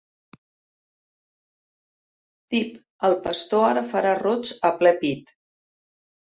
Tip, el pastor ara farà rots a ple pit.